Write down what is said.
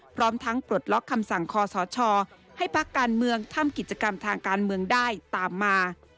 พร้อมทั้งปลดล็อกคำสั่งคอสชให้พักการเมืองทำกิจกรรมทางการเมืองได้ตามมา